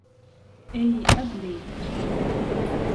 ئەی ئهبلەی هیچ نەزان